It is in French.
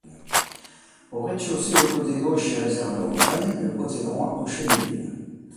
Au rez-de-chaussée, le côté gauche est réservé aux volailles, le côté droit au chenil.